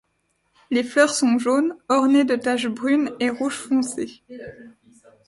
Les fleurs sont jaunes, ornées de taches brunes et rouge foncé.